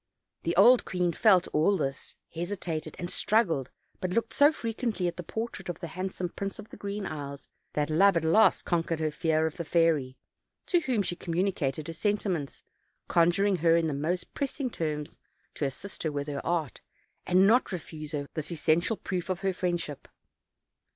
The old queen felt all this, hesitated, and struggled, but looked so frequently at the portrait of the handsome Prince of the Green Isles that love at last conquered her fear of the fairy, to whom she communicated her senti ments, conjuring her in the most pressing terms to assist her with her art, and not to refuse her this essential proof of her friendship.